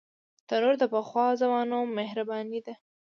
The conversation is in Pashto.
تنور د پخوا زمانو مهرباني ده